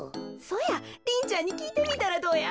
そやリンちゃんにきいてみたらどや？